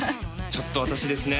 ちょっと私ですね